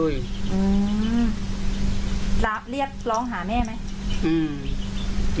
เยอะเหรียบร้องหาแม่ไหม